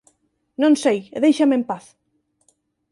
Non sei e déixame en paz!